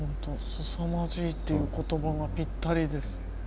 すさまじいっていう言葉がぴったりです。